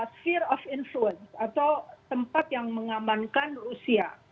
fear of influence atau tempat yang mengamankan rusia